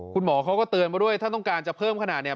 คุณหมอเขาก็เตือนมาด้วยถ้าต้องการจะเพิ่มขนาดเนี่ย